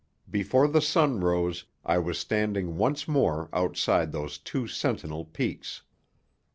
Before the sun rose I was standing once more outside those two sentinel peaks.